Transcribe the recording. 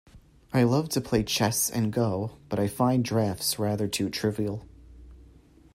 I love to play chess and go, but I find draughts rather too trivial